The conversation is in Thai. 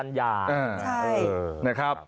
ใช่